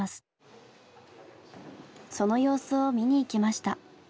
その様子を見に行きました。